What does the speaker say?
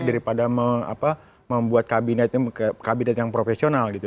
daripada membuat kabinet yang profesional gitu